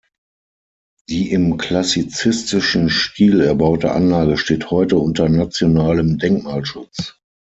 Die im klassizistischen Stil erbaute Anlage steht heute unter nationalem Denkmalschutz.